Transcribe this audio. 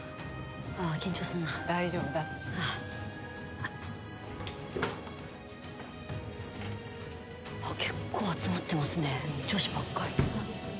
あぁ緊張すんなぁ。大丈夫だ。結構集まってますね女子ばっかり。